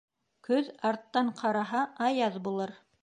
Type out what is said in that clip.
Көҙ арттан ҡараһа, аяҙ булыр.